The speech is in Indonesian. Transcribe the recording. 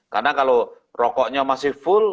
karena kalau rokoknya masih full